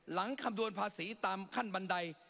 คำนวณภาษีตามขั้นบันได